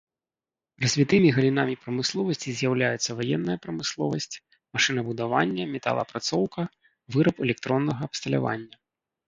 Развітымі галінамі прамысловасці з'яўляюцца ваенная прамысловасць, машынабудаванне, металаапрацоўка, выраб электроннага абсталявання.